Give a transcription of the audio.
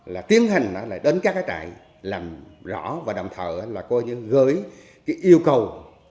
là tiến hành đến các cái trại làm rõ và đậm thờ là coi như gới cái yêu cầu